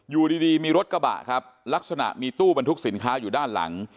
อยู่ดีมีรถกระบะครับลักษณะมีตู้บรรทุกสินค้าอยู่ด้านหลัง